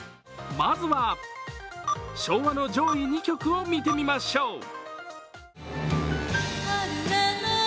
まずは、昭和の上位２曲を見てみましょう。